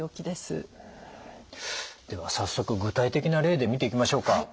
では早速具体的な例で見ていきましょうか。